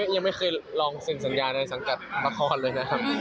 ยังไม่เคยลองเซ็นสัญญาในสังกัดละครเลยนะครับ